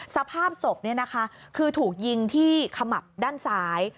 สภาพศพคือถูกยิงที่ขมับด้านซ้าย